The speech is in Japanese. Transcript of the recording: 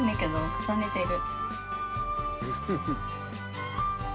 重ねてる。